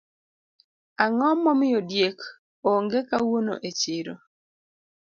Ango momiyo diek onge kawuono e chiro